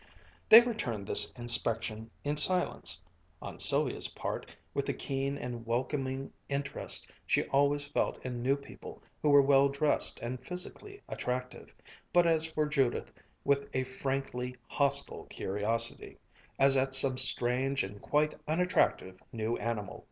They returned this inspection in silence on Sylvia's part with the keen and welcoming interest she always felt in new people who were well dressed and physically attractive, but as for Judith with a frankly hostile curiosity, as at some strange and quite unattractive new animal.